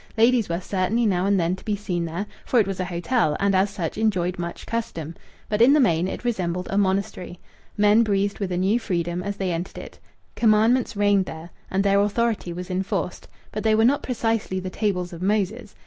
Ladies were certainly now and then to be seen there, for it was a hotel and as such enjoyed much custom. But in the main it resembled a monastery. Men breathed with a new freedom as they entered it. Commandments reigned there, and their authority was enforced; but they were not precisely the tables of Moses.